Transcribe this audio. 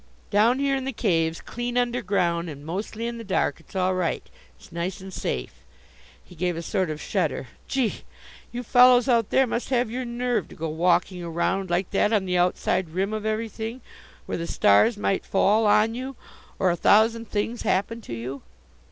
Down here in the caves, clean underground and mostly in the dark, it's all right. It's nice and safe." He gave a sort of shudder. "Gee! You fellows out there must have your nerve to go walking around like that on the outside rim of everything, where the stars might fall on you or a thousand things happen to you.